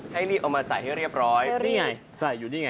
รีบเอามาใส่ให้เรียบร้อยนี่ไงใส่อยู่นี่ไง